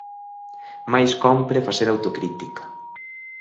Máis cómpre facer autocrítica.